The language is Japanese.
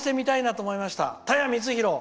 お会いしてみたいと思いました。